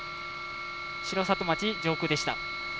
城里町上空でした。